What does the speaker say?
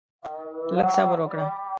لږ صبر وکړه؛